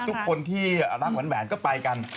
ทุกคนที่รักแหวนก็ไปกัน